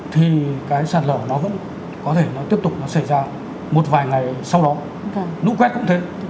thì cái sạt lở nó vẫn có thể nó tiếp tục nó xảy ra một vài ngày sau đó lũ quét cũng thế